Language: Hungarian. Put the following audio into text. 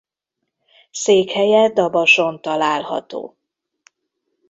Székhelye Dabason található.